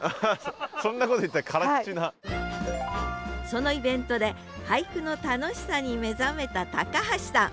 そのイベントで俳句の楽しさに目覚めた橋さん。